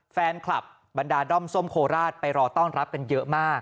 แฟนคลับบรรดาด้อมส้มโคราชไปรอต้อนรับกันเยอะมาก